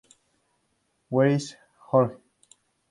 Where’s George?